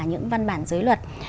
những văn bản giới luật